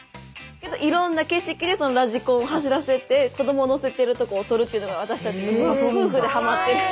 いろんな景色でそのラジコンを走らせて子ども乗せてるとこを撮るっていうのが私たち夫婦でハマってる。